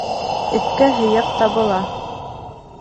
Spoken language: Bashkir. Эткә һөйәк табыла.